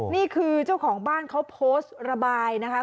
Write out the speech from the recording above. นี่คือเจ้าของบ้านเขาโพสต์ระบายนะคะ